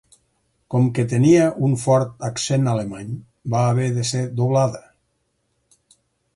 Com que tenia un fort accent alemany, va haver de ser doblada.